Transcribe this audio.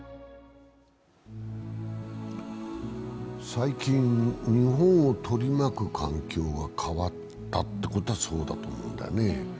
最近、日本を取り巻く環境が変わったということはそうだと思うんだよね。